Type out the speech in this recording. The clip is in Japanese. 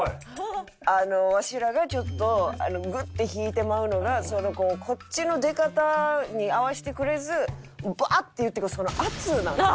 わしらがちょっとグッて引いてまうのがこっちの出方に合わせてくれずバーッて言ってくるその圧なんです。